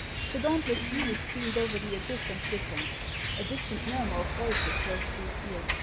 The dauntless youth leaned over the abyss and listened. A distant murmur of voices rose to his ear.